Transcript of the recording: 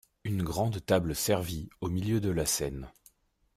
Une grande table servie, au milieu de la scène.